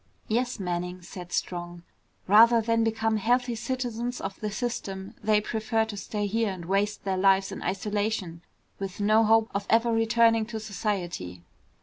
"Yes, Manning," said Strong. "Rather than become healthy citizens of the system, they prefer to stay here and waste their lives in isolation with no hope of ever returning to society."